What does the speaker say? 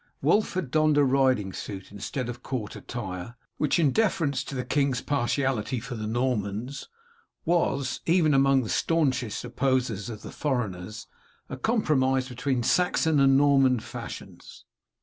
Wulf had donned a riding suit instead of court attire, which, in deference to the king's partiality for the Normans, was, even among the staunchest opposers of the foreigners, a compromise between Saxon and Norman fashions.